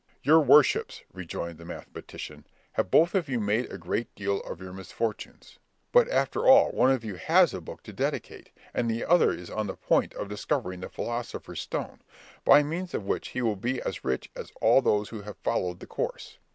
"Your worships," rejoined the mathematician, "have both of you made a great deal of your misfortunes; but after all, one of you has a book to dedicate, and the other is on the point of discovering the philosopher's stone, by means of which he will be as rich as all those who have followed that course.